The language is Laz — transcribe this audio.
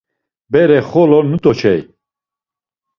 Bere xolo nut̆oçey.